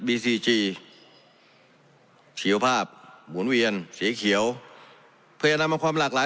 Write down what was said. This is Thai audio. ซีจีชีวภาพหมุนเวียนสีเขียวพยายามเอาความหลากหลาย